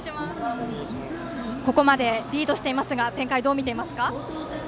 ここまでリードしていますが展開、どう見ていますか？